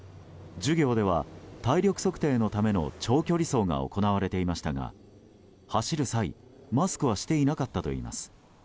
授業では、体力測定のための長距離走が行われていましたが走る際、マスクはしていなかったといいます。